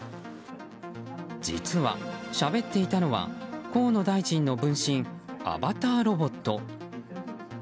実は、しゃべっていたのは河野大臣の分身アバターロボット。